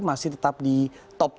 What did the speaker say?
masih tetap di top